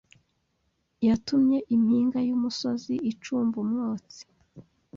Yatumye impinga y’umusozi icumba umwotsi